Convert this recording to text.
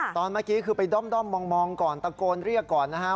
ตอนเมื่อกี้คือไปด้อมมองก่อนตะโกนเรียกก่อนนะฮะ